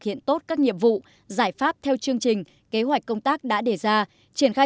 hiện tốt các nhiệm vụ giải pháp theo chương trình kế hoạch công tác đã đề ra triển khai